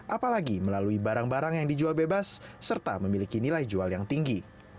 apalagi melalui barang barang yang dijual bebas serta memiliki nilai jual yang tinggi